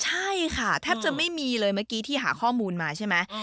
ใช่ค่ะแทบจะไม่มีเลยเมื่อกี้ที่หาข้อมูลมาใช่ไหม